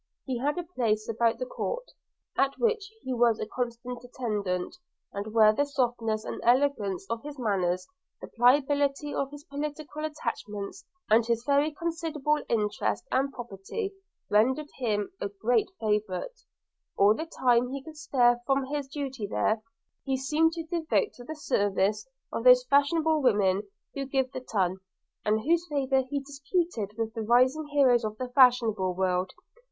He had a place about the court, at which he was a constant attendant, and where the softness and elegance of his manners, the pliability of his political attachments, and his very considerable interest and property, rendered him a great favourite. – All the time he could spare from his duty there, he seemed to devote to the service of those fashionable women who give the ton, and whose favour he disputed with the rising heroes of the fashionable world.